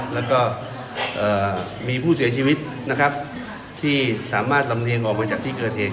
แล้วก็มีผู้เสียชีวิตนะครับที่สามารถลำเลียงออกมาจากที่เกิดเหตุ